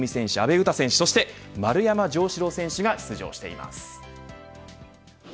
阿部一二三選手、阿部詩選手そして丸山城志郎選手が出場しています。